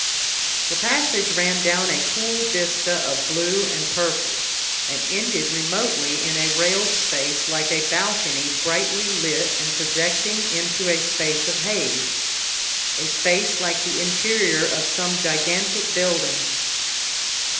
The passage ran down a cool vista of blue and purple and ended remotely in a railed space like a balcony brightly lit and projecting into a space of haze, a space like the interior of some gigantic building.